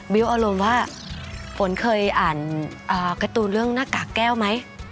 อารมณ์ว่าฝนเคยอ่านการ์ตูนเรื่องหน้ากากแก้วไหม